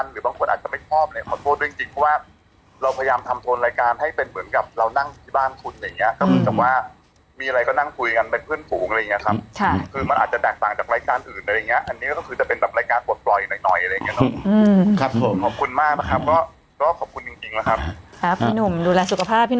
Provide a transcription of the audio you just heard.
แล้วที่ส่งของมาให้กินนะครับก็ขนาดอยู่ไกลกัน